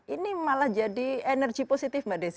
ini malah jadi energi positif mbak desi